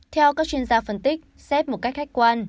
theo các chuyên gia phân tích xét một cách khách quan